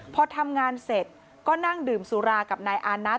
พอทำงานเสร็จก็นั่งดื่มสุรากับนายอานัท